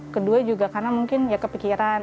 kedua juga karena mungkin ya kepikiran